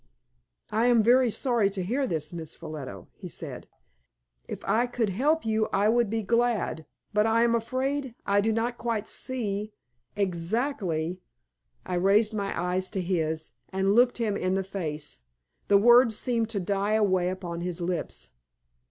"I am very sorry to hear this, Miss Ffolliot," he said. "If I could help you I would be glad, but I am afraid I do not quite see exactly " I raised my eyes to his and looked him in the face. The words seemed to die away upon his lips.